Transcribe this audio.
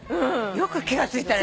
よく気が付いたね